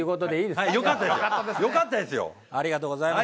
ありがとうございます。